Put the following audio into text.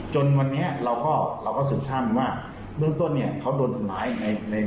จนวันนี้เราก็เราก็สืบทราบว่าเบื้องต้นเนี่ยเขาโดนทำร้ายในใน